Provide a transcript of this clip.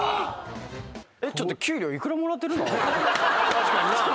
確かにな。